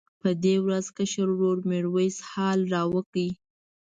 په دې ورځ کشر ورور میرویس حال راوکړ.